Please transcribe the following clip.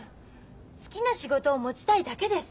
好きな仕事を持ちたいだけです。